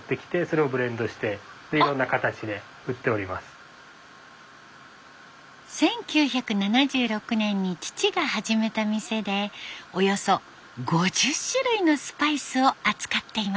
父の代からスパイスを始めて１９７６年に父が始めた店でおよそ５０種類のスパイスを扱っています。